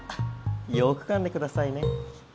よくかんでくださいね。